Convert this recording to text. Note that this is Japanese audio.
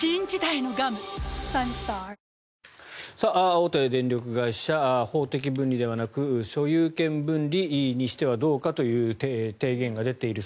大手電力会社法的分離ではなく所有権分離にしてはどうかという提言が出ている。